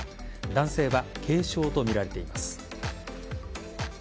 男性は軽傷とみられています。